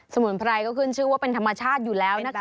มุนไพรก็ขึ้นชื่อว่าเป็นธรรมชาติอยู่แล้วนะคะ